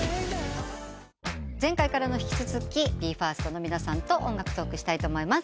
前回から引き続きＢＥ：ＦＩＲＳＴの皆さんと音楽トークしたいと思います。